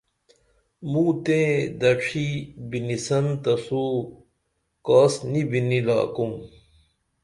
موو تئیں دڇھی بِنی سن تسو کاس نی بِنی لاکُم